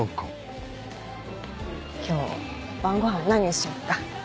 今日晩ごはん何にしようか。